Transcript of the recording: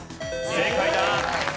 正解だ。